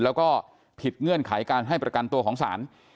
แล้วก็ผิดเงื่อนไขการให้ประกันตัวของศาล